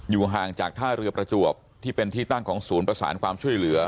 ห่างจากท่าเรือประจวบที่เป็นที่ตั้งของศูนย์ประสานความช่วยเหลือ